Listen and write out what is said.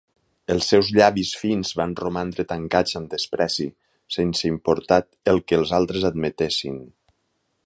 Els seus llavis fins van romandre tancats amb despreci, sense importat el que els altres admetessin.